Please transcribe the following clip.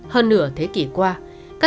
hơn nửa thế kỷ qua